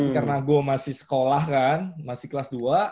karena gue masih sekolah kan masih kelas dua